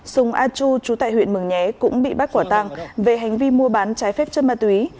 xung a chu chú tại huyện mường nhé cũng bị bắt quả tăng về hành vi mua bán trái phép chân ma túy